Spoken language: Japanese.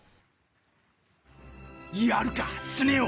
やるかスネ夫。